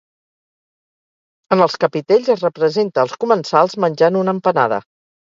En els capitells es representa als comensals menjant una empanada.